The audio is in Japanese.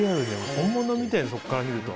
本物みたいそっから見ると。